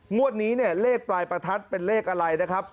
งวดนี้เนี่ยเลขปลายประทัดเป็นเลขอะไรนะครับ